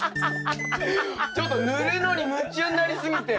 ちょっと塗るのに夢中になりすぎて。